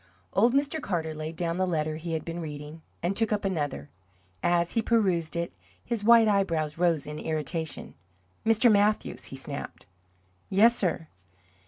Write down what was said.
Old Mr. Carter laid down the letter he had been reading, and took up another. As he perused it his white eyebrows rose in irritation. "Mr. Mathews!" he snapped. "Yes, sir?"